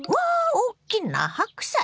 おっきな白菜！